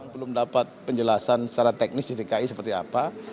belum dapat penjelasan secara teknis di dki seperti apa